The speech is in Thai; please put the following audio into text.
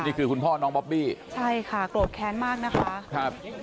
นี่คือคุณพ่อน้องบ๊อบบี้โอ้ใช่ค่ะกรบแค้นมากนะครับ